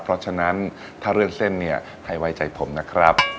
เพราะฉะนั้นถ้าเลือกเส้นเนี่ยใครไว้ใจผมนะครับ